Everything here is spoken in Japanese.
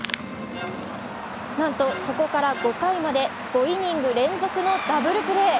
なんと、そこから５回まで５イニング連続のダブルプレー。